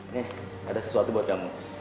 nih ada sesuatu buat kamu